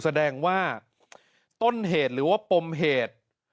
แสดงว่าต้นเหตุหรือว่าปมเหตุ